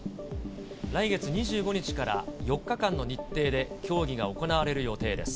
来月２５日から４日間の日程で競技が行われる予定です。